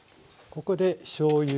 ここでしょうゆ。